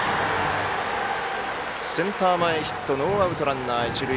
センター前ヒットノーアウトランナー、一塁。